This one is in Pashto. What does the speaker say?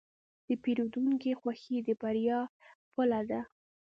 د پیرودونکي خوښي د بریا پله ده.